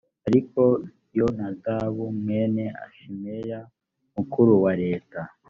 ariko yonadabu mwene shimeya mukuru wa leta